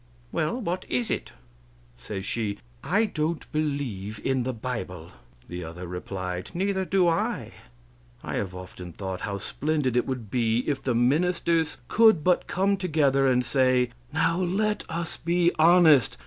"Well, What is it?" Says she: "I don't believe in the bible." The other replied: "Neither do I." I have often thought how splendid it would be if the ministers could but come together and say: "Now let us be honest.